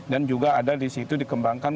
dan juga ada di situ dikembangkan